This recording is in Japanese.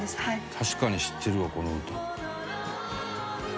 「確かに知ってるわこの歌」